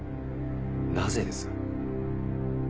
なぜです？